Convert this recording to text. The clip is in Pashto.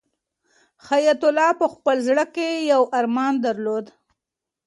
حیات الله په خپل زړه کې یو ارمان درلود.